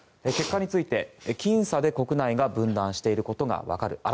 結果について、きん差で国内が分断していることがわかる。